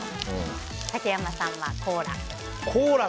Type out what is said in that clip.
竹山さんは、コーラ。